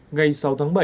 ngày sáu tháng bảy